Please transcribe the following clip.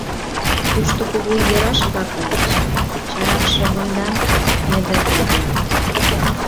Тушто кугу ераш-влак ыльыч, чараҥше вондан мӧдывуй-влак.